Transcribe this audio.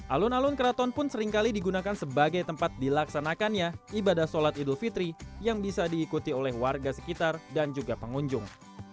alun alun keraton pun seringkali digunakan sebagai tempat dilaksanakannya ibadah sholat idul fitri yang bisa diikuti oleh warga sekitar dan juga pengunjung